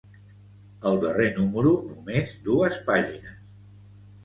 El darrer número, només dues pàgines.